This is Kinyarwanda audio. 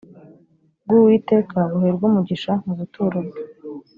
bw uwiteka buherwe umugisha mu buturo bwe